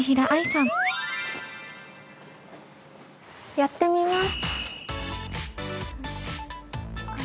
やってみます！